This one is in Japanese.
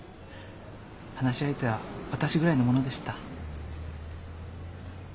話し相手は私ぐらいのものでした。